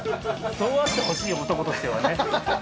そうあってほしい男としてはね。